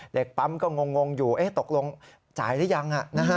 เด็กปั๊มก็งงอยู่ตกลงจ่ายหรือยัง